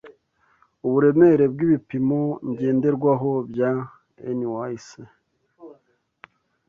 uburemere bwibipimo ngenderwaho bya NYSE